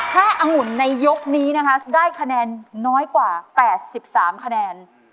ถ้าองุ่นในยกนี้นะคะได้คะแนนน้อยกว่า๘๓คะแนน